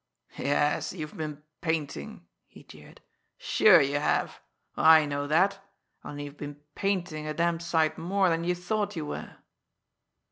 "Yes, you've been painting!" he jeered. "Sure, you have! I know that! Only you've been painting a damned sight more than you thought you were!"